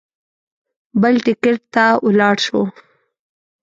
بل ټکټ ته ولاړ شو.